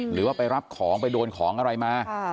หรือว่าไปรับของไปโดนของอะไรมา